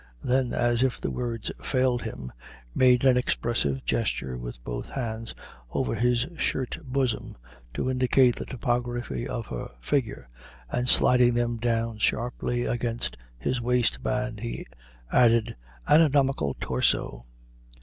Then, as if words failed him, made an expressive gesture with both hands over his shirt bosom to indicate the topography of her figure, and, sliding them down sharply against his waistband, he added, "Anatomical torso!"